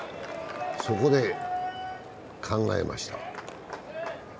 そこで考えました。